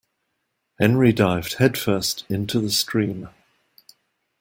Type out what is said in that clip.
Henry dived headfirst into the stream.